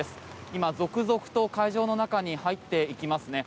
今、続々と会場の中に入っていきますね。